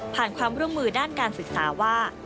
ความร่วมมือด้านการศึกษาว่า